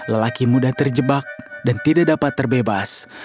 lelaki muda terjebak dan tidak dapat terbebas